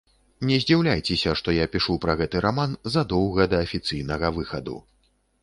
Не здзіўляйцеся, што я пішу пра гэты раман задоўга да афіцыйнага выхаду.